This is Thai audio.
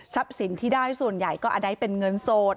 ทรัพย์สินที่ได้ส่วนใหญ่ก็ได้เป็นเงินโสด